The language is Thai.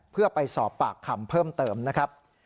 เพื่อไปสอบปากคำเพิ่มเติมนะครับ